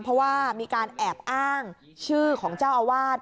เพราะว่ามีการแอบอ้างชื่อของเจ้าอาวาส